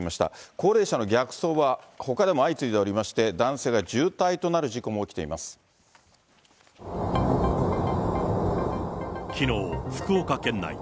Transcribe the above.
高齢者の逆走はほかでも相次いでおりまして、男性が重体となる事きのう、福岡県内。